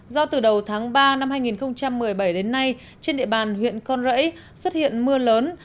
do từ đầu tháng ba năm hai nghìn một mươi bảy đến nay trên địa bàn huyện con rẫy xuất hiện mưa lớn